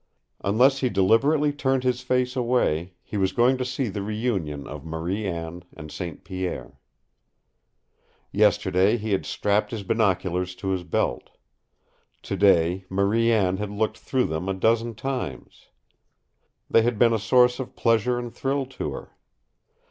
Unless he deliberately turned his face away, he was going to see the reunion of Marie Anne and St. Pierre. Yesterday he had strapped his binoculars to his belt. Today Marie Anne had looked through them a dozen times. They had been a source of pleasure and thrill to her.